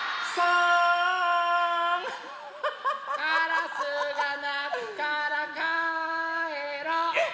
カラスがなくからかえろえっ？